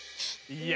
いや！